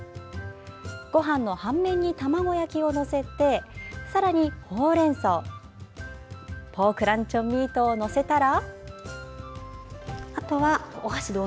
ごはんの半面に卵焼きを載せてさらに、ほうれんそうポークランチョンミートを載せたら。